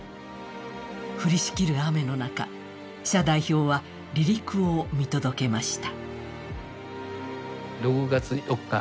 降りしきる雨の中謝代表は離陸を見届けました。